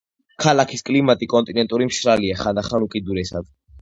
ქალაქის კლიმატი კონტინენტური მშრალია, ხანდახან უკიდურესად.